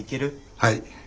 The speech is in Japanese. はい。